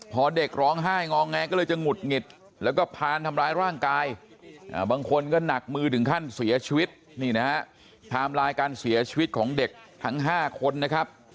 พอเด็กร้องไห้งอแงก็เลยจะหงุดหงิดแล้วก็พานทำร้ายร่างกายบางคนก็หนักมือถึงขั้นเสียชีวิตนี่นะฮะไทม์ไลน์การเสียชีวิตของเด็กทั้ง๕คนนะครับ